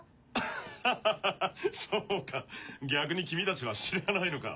ハハハそうか逆に君たちは知らないのか。